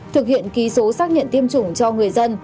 thực hiện ký số xác nhận tiêm chủng cho người dân